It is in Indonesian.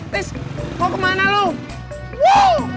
tis mau kemana lo